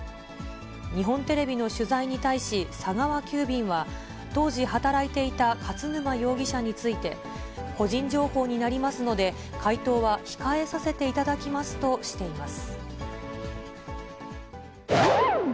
日本テレビの取材に対し、佐川急便は、当時、働いていた勝沼容疑者について、個人情報になりますので、回答は控えさせていただきますとしています。